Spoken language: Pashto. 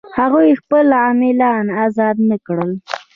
هغوی خپل غلامان آزاد نه کړل.